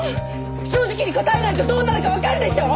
正直に答えないとどうなるかわかるでしょう？